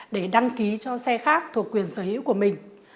để đăng ký cho xe khác thuộc quyền sở hữu của mình